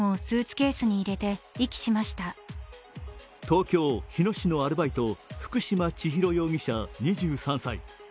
東京・日野市のアルバイト、福島千尋容疑者２３歳。